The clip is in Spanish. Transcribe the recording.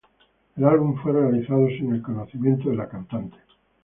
El álbum fue realizado sin el conocimiento de la cantante.